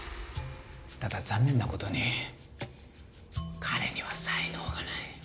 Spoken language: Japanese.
ただ残念な事に彼には才能がない。